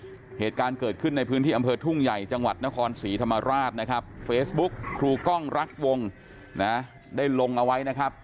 เหตุการณ์เกิดขึ้นในพื้นที่อำเภอทุ่งใหญ่จังหวัดนครศรีธรรมราชนะครับเฟซบุ๊กครูกล้องรักวงนะได้ลงเอาไว้นะครับ